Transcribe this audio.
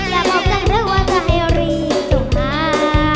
อย่าพบจังเร็วว่าจะให้โรหารีกต้องหา